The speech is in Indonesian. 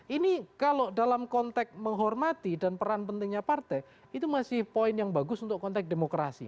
ini kalau dalam konteks menghormati dan peran pentingnya partai itu masih poin yang bagus untuk konteks demokrasi